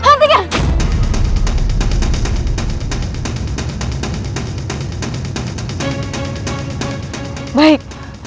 aku akan menerima tawaran